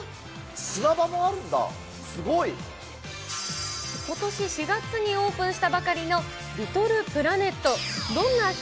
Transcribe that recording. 砂場もあるんだ、すごい！ことし４月にオープンしたばかりのリトルプラネット。